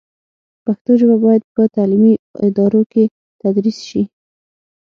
پښتو ژبه باید په تعلیمي ادارو کې تدریس شي.